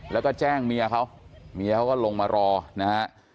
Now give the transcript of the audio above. แล้วก็แจ้งเมียเขาเมียเขาก็ลงมารอนะฮะ